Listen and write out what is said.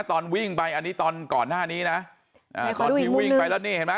ตอนวิ่งไปอันนี้ตอนก่อนหน้านี้นะอ่าตอนที่วิ่งไปแล้วนี่เห็นไหม